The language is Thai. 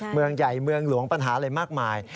เมืองใหญ่เมืองหลวงปัญหาอะไรมากมาย